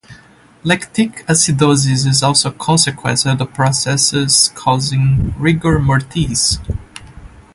Lactic acidosis is also a consequence of the processes causing "rigor mortis".